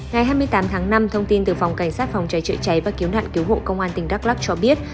ngày hai mươi tám tháng năm thông tin từ phòng cảnh sát phòng cháy chữa cháy và cứu nạn cứu hộ công an tỉnh đắk lắc cho biết